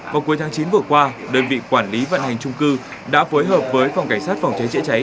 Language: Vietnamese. vào cuối tháng chín vừa qua đơn vị quản lý vận hành trung cư đã phối hợp với phòng cảnh sát phòng cháy chữa cháy